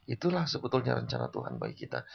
itulah sebetulnya rencana tuhan bagi kita